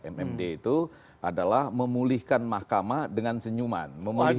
mmd itu adalah memulihkan mahkamah dengan senyuman